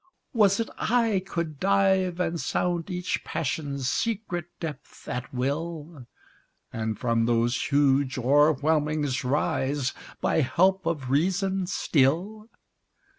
Was't I could dive, and sound each passion's secret depth at will? And from those huge o'erwhelmings rise, by help of reason still?